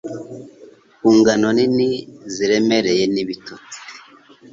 Ku ngano nini ziremereye n'ibitotsi